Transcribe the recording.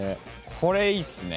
これいいっすね